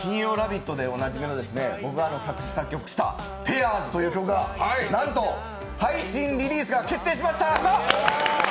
金曜ラヴィットでおなじみの僕が作詞・作曲した「ペアーズ」という曲がなんと、配信リリースが決定しました！